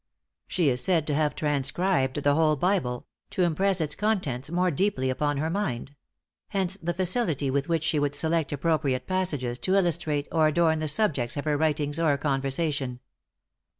She is said to have transcribed the whole Bible, to impress its contents more deeply upon her mind; hence the facility with which she would select appropriate passages to illustrate or adorn the subjects of her writings or conversation.